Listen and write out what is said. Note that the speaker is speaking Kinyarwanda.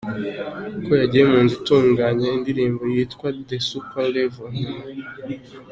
ko yagiye mu nzu itunganya indirimbo yitwa "The Super Level, nyuma.